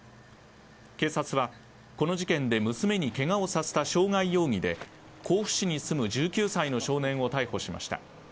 警察は、この事件で娘にけがをさせた傷害容疑で甲府市に住む１９歳の少年を逮捕しました。